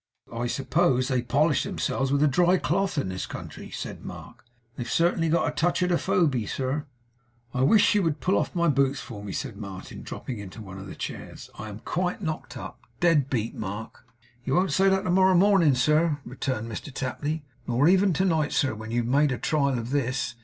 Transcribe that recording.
'I suppose they polish themselves with a dry cloth in this country,' said Mark. 'They've certainly got a touch of the 'phoby, sir.' 'I wish you would pull off my boots for me,' said Martin, dropping into one of the chairs 'I am quite knocked up dead beat, Mark.' 'You won't say that to morrow morning, sir,' returned Mr Tapley; 'nor even to night, sir, when you've made a trial of this.